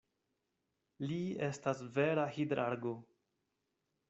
Li estas vera hidrargo.